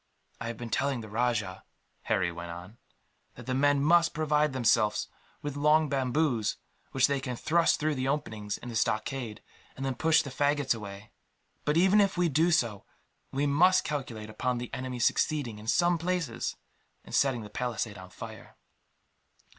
"I have been telling the rajah," Harry went on, "that the men must provide themselves with long bamboos, which they can thrust through the openings in the stockade, and push the faggots away. But even if we do so, we must calculate upon the enemy succeeding, in some places, in setting the palisades on fire."